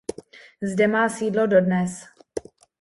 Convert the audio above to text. Zde má sídlo dodnes.